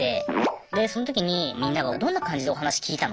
でその時にみんながどんな感じでお話聞いたの？みたいな。